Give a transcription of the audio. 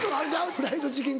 フライドチキン